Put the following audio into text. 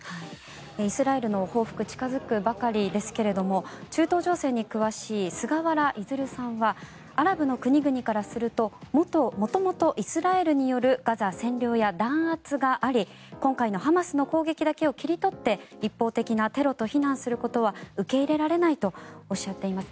イスラエルの報復近付くばかりですが中東情勢に詳しい菅原出さんはアラブの国々からすると元々イスラエルによるガザ占領や弾圧があり今回のハマスの攻撃だけを切り取って一方的なテロと非難することは受け入れられないとおっしゃっています。